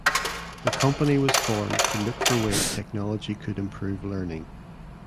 The company was formed to look for ways technology could improve learning.